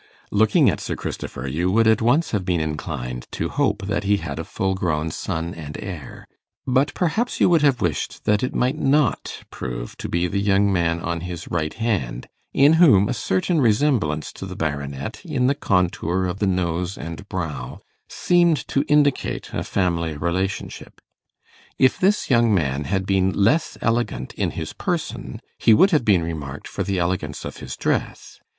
Looking at Sir Christopher, you would at once have been inclined to hope that he had a full grown son and heir; but perhaps you would have wished that it might not prove to be the young man on his right hand, in whom a certain resemblance to the Baronet, in the contour of the nose and brow, seemed to indicate a family relationship. If this young man had been less elegant in his person, he would have been remarked for the elegance of his dress.